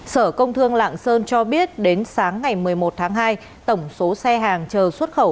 sở công thương lạng sơn cho biết đến sáng ngày một mươi một tháng hai tổng số xe hàng chờ xuất khẩu